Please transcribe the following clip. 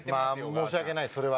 申し訳ないですそれは。